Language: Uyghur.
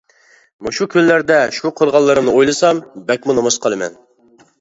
مۇشۇ كۈنلەردە شۇ قىلغانلىرىمنى ئويلىسام، بەكمۇ نومۇس قىلىمەن.